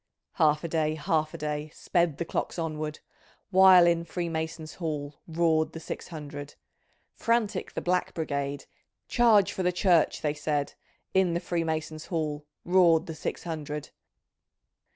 * Half a day, half a day, Sped the clocks onward, While in Freemason's Hall, Roared the six hundred !— Frantic the Black Brigade, " Charge for the Church I '' they said. In the Freemason's Hall Roared the six hundred